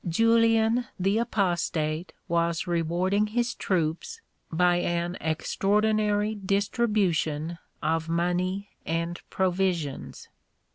Julian the Apostate was rewarding his troops by an extraordinary distribution of money and provisions.